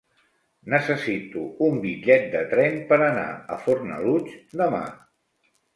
Necessito un bitllet de tren per anar a Fornalutx demà.